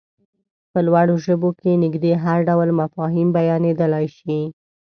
په لوړو ژبو کې نږدې هر ډول مفاهيم بيانېدلای شي.